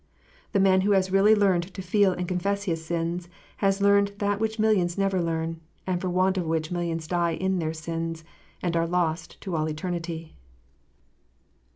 The man who has really learned to feel and confess his sins, has learned that which millions never learn, and for want of which millions die in their sins, and are lost to all eternity.